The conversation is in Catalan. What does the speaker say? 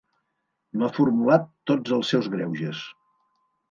M'ha formulat tots els seus greuges.